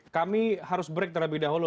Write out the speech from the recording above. kami harus break terlebih dahulu